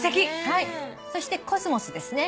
そしてコスモスですね。